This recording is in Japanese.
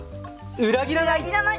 裏切らない！